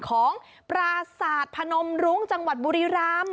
ของปราศาสตร์พนมรุ้งจังหวัดบุรีรำ